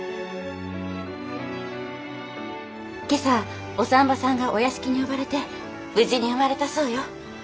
今朝お産婆さんがお屋敷に呼ばれて無事に生まれたそうよ。